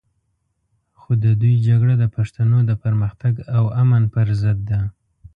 خو د دوی جګړه د پښتنو د پرمختګ او امن پر ضد ده.